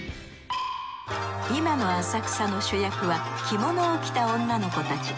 今の浅草の主役は着物を着た女の子たち。